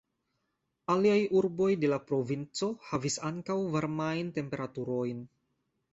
Aliaj urboj de la provinco, havis ankaŭ varmajn temperaturojn.